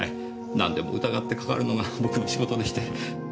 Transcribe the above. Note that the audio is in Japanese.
何でも疑ってかかるのが僕の仕事でして。